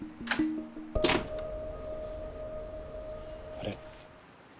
あれ？